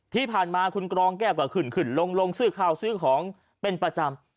ที่ผ่านมาคุณกรองแก้วก็ขึ้นขึ้นลงซื้อข้าวซื้อของเป็นประจำ